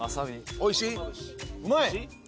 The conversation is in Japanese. おいしい？